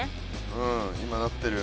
うん今なってる。